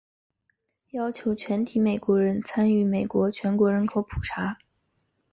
要求全体美国人参与美国全国人口普查。